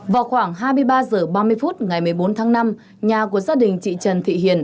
vào khoảng hai mươi ba h ba mươi phút ngày một mươi bốn tháng năm nhà của gia đình chị trần thị hiền